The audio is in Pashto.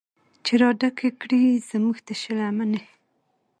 چې راډکې کړي زمونږ تشې لمنې